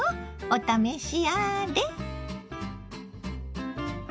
お試しあれ。